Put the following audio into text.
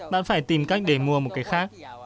bạn phải tìm cách để mua một cái khác